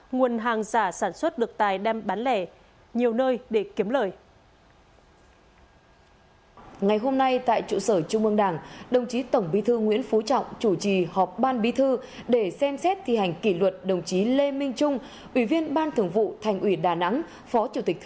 nguồn hàng giả sản xuất được tài đem bán lẻ nhiều nơi để kiếm lời